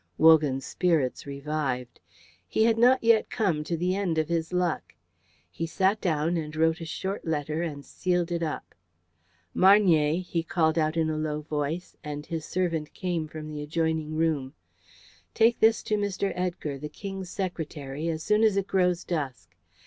Wogan's spirits revived. He had not yet come to the end of his luck. He sat down and wrote a short letter and sealed it up. "Marnier," he called out in a low voice, and his servant came from the adjoining room, "take this to Mr. Edgar, the King's secretary, as soon as it grows dusk.